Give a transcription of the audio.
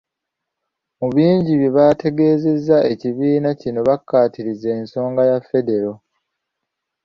Mu bingi bye baategeezezza, ab'ekibiina kino baakaatirizza ensonga ya Federo.